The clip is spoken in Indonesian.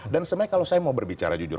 dan sebenarnya kalau saya mau berbicara jujur